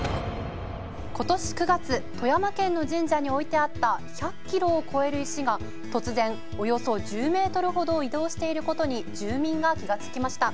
今年９月富山県の神社に置いてあった１００キロを超える石が突然およそ１０メートルほど移動している事に住民が気がつきました。